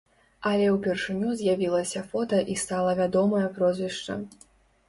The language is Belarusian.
Але ўпершыню з'явілася фота і стала вядомае прозвішча.